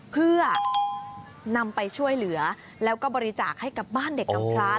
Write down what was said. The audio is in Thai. เพื่อนำไปช่วยเหลือแล้วก็บริจาคให้กับบ้านเด็กกำพระ